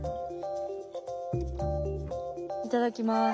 いただきます。